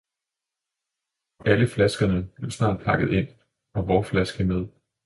Alle flaskerne blev snart pakket ind, og vor flaske med.